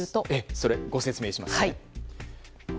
それ、ご説明しましょう。